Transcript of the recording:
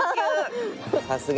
さすが。